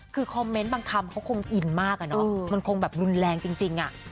คือคอมเมนต์บางคำเขาคงอินมากอะเนาะมันคงแบบรุนแรงจริงอ่ะ